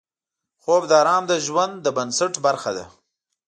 خوب د آرام د ژوند د بنسټ برخه ده